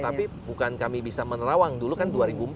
tapi bukan kami bisa menerawang dulu kan dua ribu empat